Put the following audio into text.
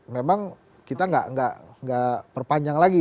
memang kita nggak perpanjang lagi